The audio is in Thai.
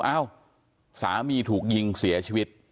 เอ้าสามีถูกยิงเสียชีวิต